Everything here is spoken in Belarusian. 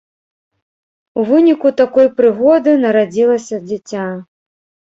У выніку такой прыгоды нарадзілася дзіця.